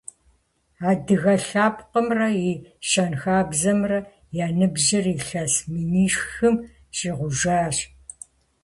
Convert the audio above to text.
Адыгэ лъэпкъымрэ и щэнхабзэмрэ я ныбжьыр илъэс минихым щӏигъужащ.